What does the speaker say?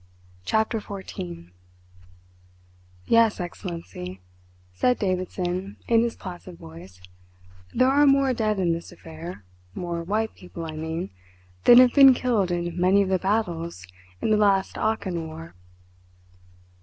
CHAPTER FOURTEEN "Yes, Excellency," said Davidson in his placid voice; "there are more dead in this affair more white people, I mean than have been killed in many of the battles in the last Achin war."